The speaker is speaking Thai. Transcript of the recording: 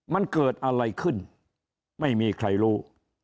มันเกิดอะไรขึ้นไม่มีใครรู้